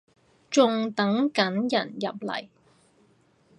仲等緊人入嚟